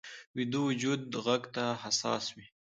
ویده وجود غږ ته حساس وي